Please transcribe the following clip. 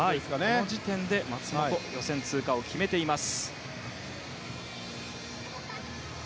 この時点で松元予選通過を決めています。